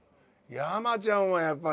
山ちゃんはやっぱね。